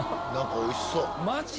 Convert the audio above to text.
おいしそう！